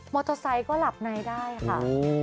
เตอร์ไซค์ก็หลับในได้ค่ะ